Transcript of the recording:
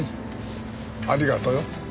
ありがとよ。